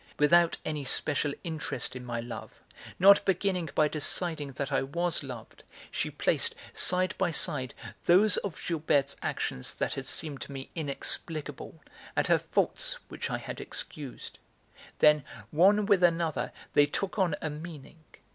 Without any special interest in my love, not beginning by deciding that I was loved, she placed, side by side, those of Gilberte's actions that had seemed to me inexplicable and her faults which I had excused. Then, one with another, they took on a meaning.